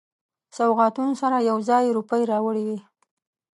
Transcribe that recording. سوغاتونو سره یو ځای روپۍ راوړي وې.